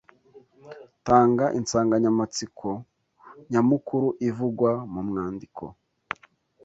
Tanga insanganyamatsiko nyamukuru ivugwa mu mwandiko